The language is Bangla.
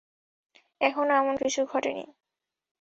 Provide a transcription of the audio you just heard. এখনো এমন কিছু ঘটেনি।